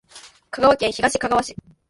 香川県東かがわ市